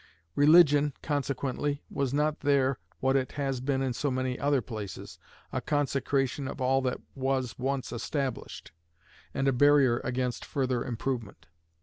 Religion, consequently, was not there what it has been in so many other places a consecration of all that was once established, and a barrier against further improvement.